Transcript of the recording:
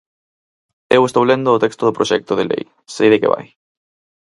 Eu estou lendo o texto do proxecto de lei, sei de que vai.